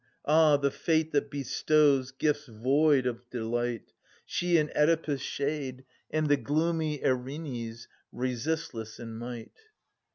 Ah, the Fate that bestows Gifts void of delight !— She, and Oedipus' shade, and the gloomy Erinnys resistless in might.